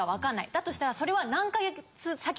だとしたらそれは。